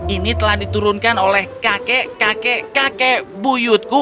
ini telah diturunkan oleh kakek kakek kakek buyutku